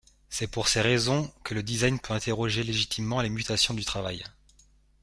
C'est pour ces raisons que le design peut interroger légitimement les mutations du travail.